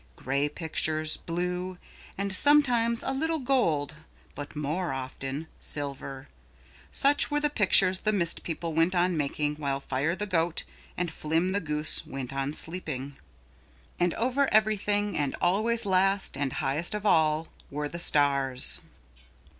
Gray pictures, blue and sometimes a little gold but more often silver, such were the pictures the mist people went on making while Fire the Goat and Flim the Goose went on sleeping. And over everything and always last and highest of all, were the stars.